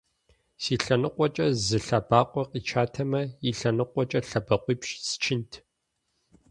Си лъэныкъуэкӏэ зы лъэбакъуэ къичатэмэ, и лъэныкъуэкӏэ лъэбакъуипщӏ счынт.